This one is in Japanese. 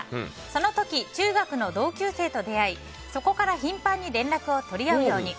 その時、中学の同級生と出会いそこから頻繁に連絡を取り合うように。